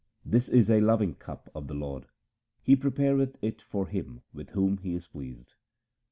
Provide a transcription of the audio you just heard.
This is a loving cup of the Lord. He prepareth it for him with whom He is pleased.